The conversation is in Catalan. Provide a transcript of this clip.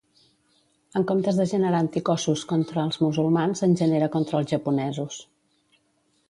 En comptes de generar anticossos contra els musulmans en genera contra els japonesos.